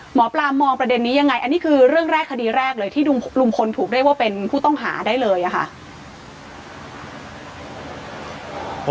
หมอปลามองประเด็นนี้ยังไงอันนี้คือเรื่องแรกคดีแรกเลยที่ลุงพลถูกเรียกว่าเป็นผู้ต้องหาได้เลยอะค่ะ